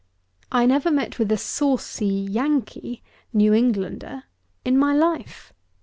I never met with a saucy Yankee (New Englander) in my life.